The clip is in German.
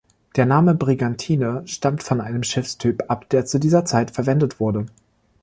Der Name Brigantine stammt von einem Schiffstyp ab, der zu dieser Zeit verwendet wurde.